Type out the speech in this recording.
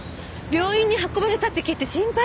病院に運ばれたって聞いて心配したわ！